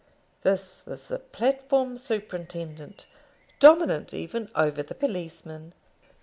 This was the platform superintendent, dominant even over the policemen.